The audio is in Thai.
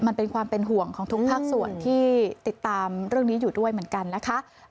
มันเป็นความเป็นห่วงของทุกภาคส่วนที่ติดตามเรื่องนี้อยู่ด้วยเหมือนกันนะคะ